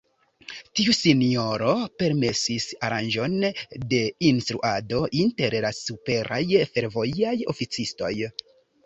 Tiu sinjoro permesis aranĝon de instruado inter la superaj fervojaj oficistoj.